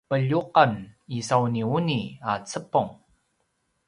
pelju’en isauniuni a cepeng